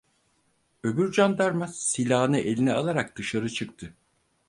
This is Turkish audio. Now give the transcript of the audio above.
Öbür candarma silahını eline alarak dışarı çıktı.